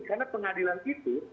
karena pengadilan itu